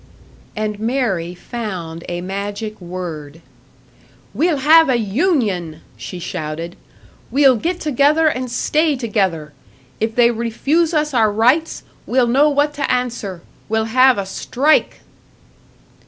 And Mary found a magic word. "We'll have a union!" she shouted. "We'll get together and stay together! If they refuse us our rights, we'll know what to answer we'll have a _strike!